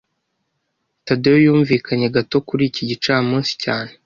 Tadeyo yumvikanye gato kuri iki gicamunsi cyane